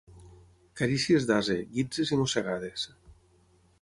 Carícies d'ase, guitzes i mossegades.